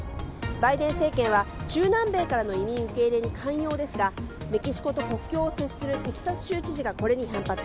バイデン政権は中南米からの移民受け入れに寛容ですがメキシコと国境を接するテキサス州知事がこれに反発。